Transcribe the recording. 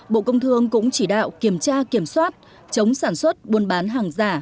bộ công thương cũng chỉ đạo kiểm tra kiểm soát chống sản xuất buôn bán hàng giả